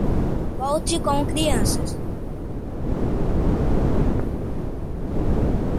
Volte com crianças.